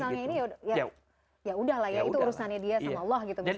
misalnya ini ya udah lah ya itu urusannya dia sama allah gitu misalnya